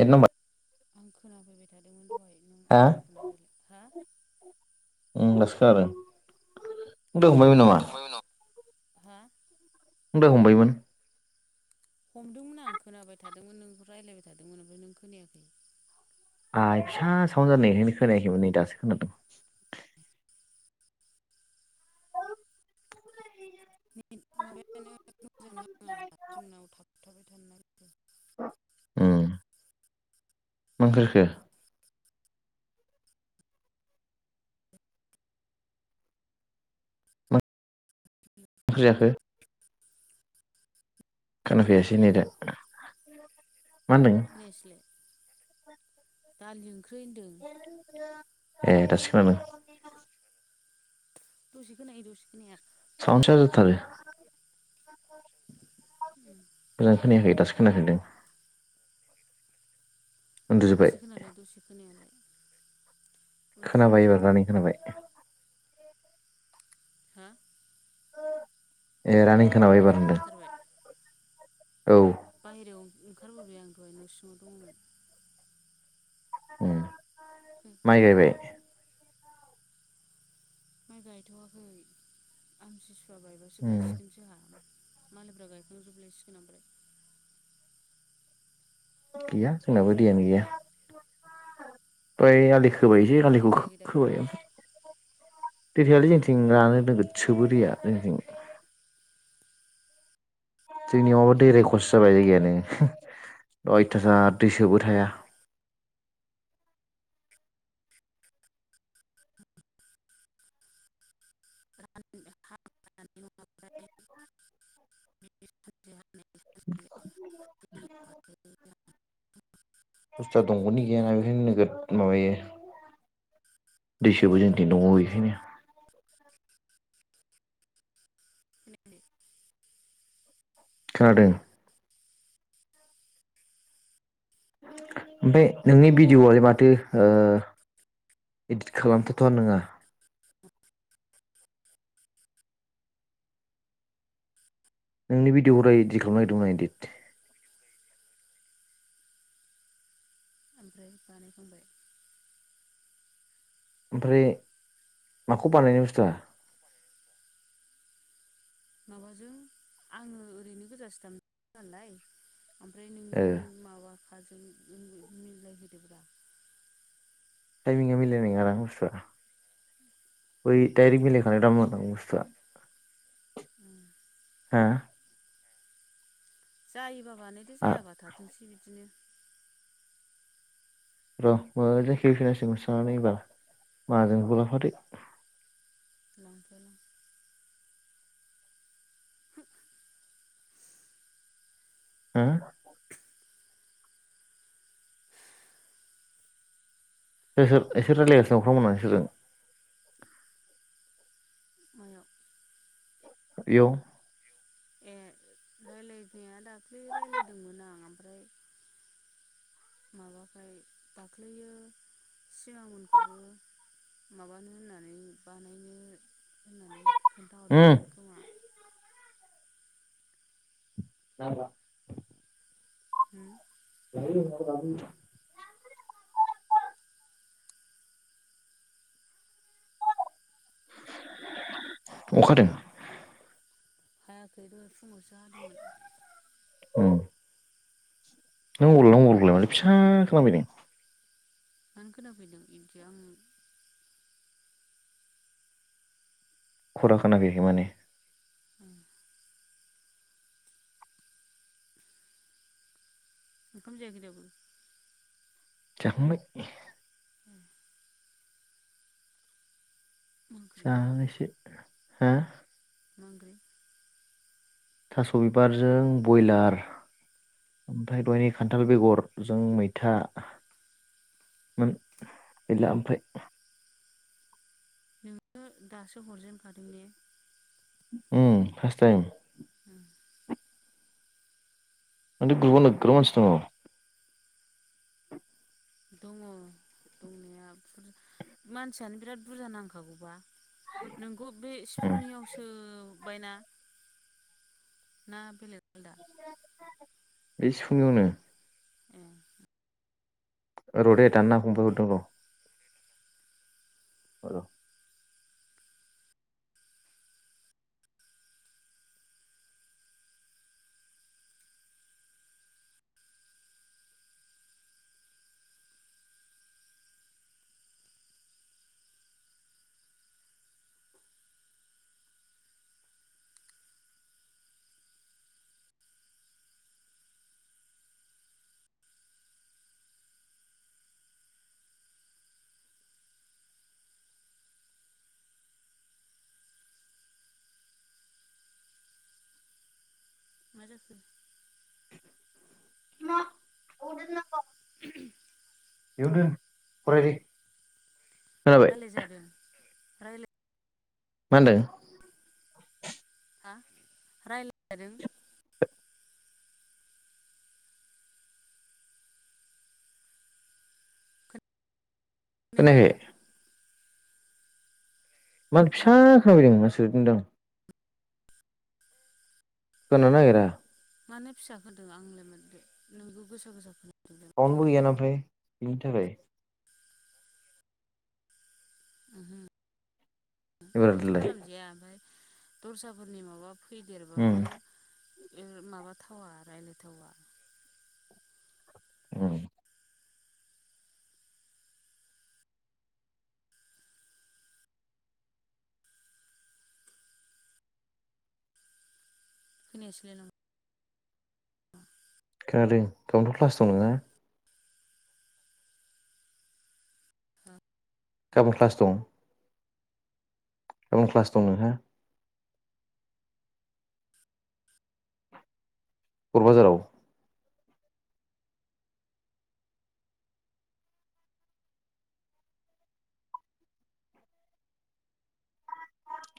एक [unintelligible] आं खोनाफैबाय थादोंमोन दहायो। हा ओम दासो खोनादों [unintelligible] दहायबो नामा खोना हा [unintelligible] हमदोंमोन आं खोनाबाय थादोंमोन नोंबो रायलायबाय थादोंमोन ओमफ्राय नों खोनायाखै आय फिसा सावन जानायखायनो खोनायाखैमोन नै दासो खोनादोंं माबायानो मोजां नाङा जोंनाव थाबथाबाय थांनो नागिरो। उम मानो खारखो मा ओंख्रै जाखो? खोना फैयासै ओंख्रै नै दा उ नाया सोलाय। दालि ओंख्रि होनदों [inaudible] ए दासो खोनादों। दसे खोनायो दसे खोनाया। [unintelligible] मोजां खोनायाखै दासो खोनाफिनदों। उन्दुजोब्बाय दसे खोनालाय दसे खोनायालाय। खोनाबाय उन्दुजोब्बाय आं एबार नानि खोनाबाय। हा? [inaudible] ए नानि खोनाबाय एबार होनदों। औ बायह्रायाव ओंखारबोबाय आं दहाय न' सिङाव दङमोन। उम। माइ गायबाय? माइ गायथ'वाखै आमसिसु वा बायबासो उम गायसिगोन जोंहा। मालायफ्रा गायखांजोबलायसिगोन आमफ्राय। गैया जोंनाबो नोंस्रालाय दैयानो गैया। [inaudible] दहाय आलि एथ' खोबाय अखा एसे हानानै आलिखौ दैथायाखै दाबो खो-खोबाय। दै थायालै हा जोंथिं रानो नोगोदसो जोबो दैया जोंनिथिं। जोंनियाव दै रायखसो जाबाय जायगायानो अयथासार दै सोबो थाया। [unintelligible] [unintelligible] बस्थुवा दंगनि गैयाना बेखायनो नोगोद माबायो दै सोबो जोंनिथिं दंग गैयैखायनो। खोनादों? ओमफाय नोंनि भिडिअ'आलाय माथो ओ इडिट खालामथावथावानो नङा। नोंनि भिडिअखौ दहाय इदिट खालामनो नागिरदोंमोन आं इदिट। ओमफ्राय बानायखांबाय? ओमफ्राय माखौ बानायनो बुस्थुवा? माबाजों आङो ओरैनो गोदाव सोराव मोनदों नालाय ओमफ्राय ओ नोंनि माबा खाजों मि-मिलायहोदोब्रा। टाइमिंआ मिलायनाय नङा ना बुस्थुआ। बै डाइरेक्ट मिलाय मिलायखानाय दा नङाथ' मोननांगौमोन आरो बुस्थुआ। उम हा? जायोबा बानायदो आ जायाबा थाथोंसै बिदिनो। र' मोजां खेबहैफिननांसिगोन सनानै एबार माहाजोनखौबो लाफादो। लांफायालां। [inaudible] हा ओहो एसोर रायज्लायगासिनो दं अख्रांमोना एसोरजों? मायाव इयाव? ए राय्लायनाया दाख्लै राय्लायदोंमोन आं ओमफ्राय माबाखाय दाख्लैयो सिगां मोनखौबो माबानो होननानै बानायनो होननानै उम खोन्थाहरदोंमोन खोमा। नांला हुम। [inaudible] अखा हादों? हायाखै दहाय फुंआवसो औ। नों मबालखौलाय अबाव लादों माथो फिसा खोनाफैदों? मानो खोनाफैदों इदि आं खरा खोनाफैयाखै माने। उम। ओंखाम जायाखै दाबो? जाखांबाय। मा ओंख्रि जानायसो। हा? मा ओंख्रि? थास' बिबारजों बयलार। ओमफ्राय दहायनि खान्थाल बेगर जों मैथामोन गैला ओमफ्राय। नोङो दासो हरजेनखादों ने? Um first time. हुम। माथो ग्रुपआव नोगोर मानसि दङ'। दङ दंनाया बुर मानसियानो बिराद बुरजा नांखागौबा। नोंखौ बे उम सिफुंनियाव सो जोबबायना ना बेलेग आलदा? बे सिुफुंनियावनो। ए। र' दे दाननाङा फंबाय हरदों र'। औ र'। मा जाखो? [inaudible] [inaudible] इयावनो दोन फरायफै। रायलाय जादों। रायलाय मा होनदों? हा रायलायजादों। खोनायाखै। मानो फिसा खोनादों होननासो बुंदो आं खोनानो नागिरा। मानो फिसा होदों आंलाय माथो नोंबो गोसा गोसा खो साउनबो गैया नामाथाय। बिनि थाखाय ओमहो बेथ' एबारलाय खालामजाया ओमफाय दरसाफोरनि माबा फैदेरबाबो उम माबाथावा रायलायथावा। औ खोनायासैलाय ला़ं खोनादों गाबोनथ' क्लास दं नोङा? गाबोन क्लास दं? गाबोन क्लास दं नोंहा? बर' बाजाराव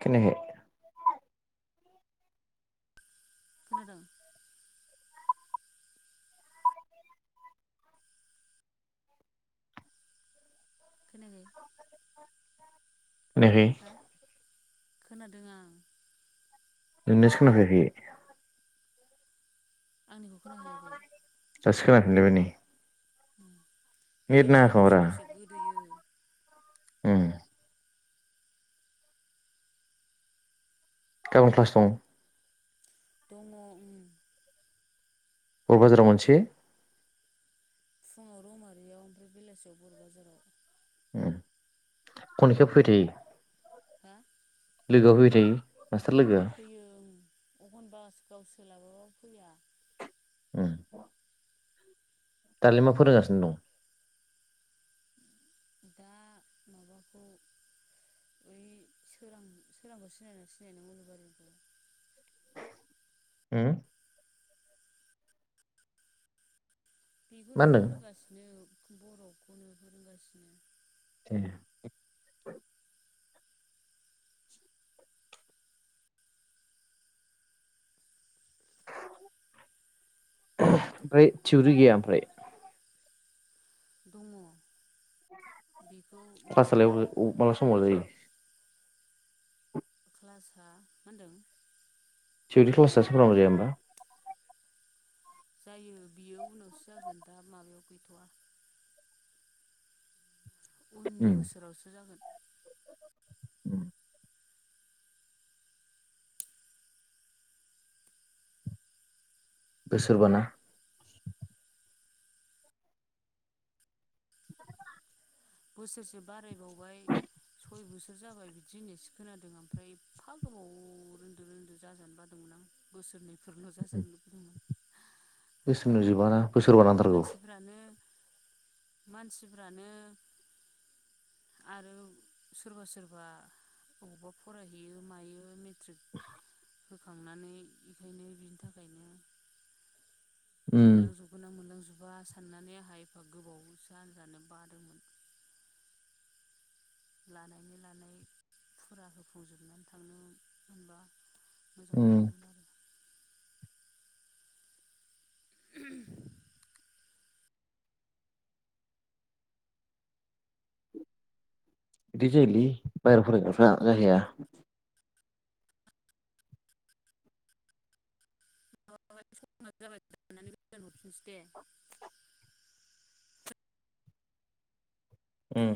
खोनायाखै। खोनादों। खोनायाखै? खोनायाखै? हा खोनादों आं। नोंनियासो खोना खायाखै। आंनिखौ खोनाहैयाखै दासो खोना फिनलायबाय नै। उम। नेट बिदिनो दसे दसे गोदोयो। होम गाबोन क्लास दं? दङ' उम। बर'बाजाराव मोनसे। फुङाव रौमारियाव ओमफ्राय बेलासियाव बर' बाजाराव। खनजिथायाबो फैबाय थायो? हा? लोगोआबो फैबाय थायो? मास्टार लोगोआ फैयो ओं। एखनबा [unintelligible] सोलाबाबा फैया। उम। दालाय फोरोंगासिनो दं? दा माबाखौ ओइ सोरां सोरांखौ सिनायनानै सिनायनाय उलुबारिखौ हम मा बेबोनो होनदों फोरोंगासिनो बर'खौनो फोरोंगासिनो दे फ्राय थिउरि गैया ओमफ्राय दङ बेखौ दा ख्लाससालाय अबे मा समाव जायो क्लासा मा होनदों? थिवरि क्लाससो फोरांगौ जाया होनबा जायो बियो उनावसो जागोन दा माबायाव गैथ'वा उननि उम बोसोरावसो जागोन उम बोसोरबाना? बुसोरसे बाराय बाव सय बोसोर जाबाय बिदि होननायसो खोनादों ओमफ्राय एफा गोबाव रोंदो रोंदो जाजानो बादोंमोन आं बोसोरनै बफोरल' जाजानो बोसोरनैयाव जोबाना बोसोरबा नांथारगौ मानसिफ्रानो मानसिफ्रानो आरो सोरबा सोरबा अबावबा फरायहैयो मायो मे [unintelligible] होखांनानै बेखायनो बिनि थाखायनो उम मोनलांजोबगोन ना मोनलांजो बा साननानै आंहा एफा गोबाव जाजानो बादोंमोन लानायनि लानाय फुरा होफुंजोबनानै थांनो मोनबा मोजां उम मोनगौमोन आरो [inaudible] बिदि जायालि बायेर फरग्राफोरा जाहैया माबा सम जाबाय दानना गोदान हरफिनसै दे उम